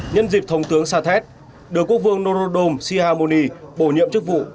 nhân dịp thống tướng sathet được quốc vương norodom sihamoni bổ nhiệm chức vụ